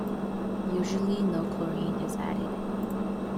Usually no chlorine is added.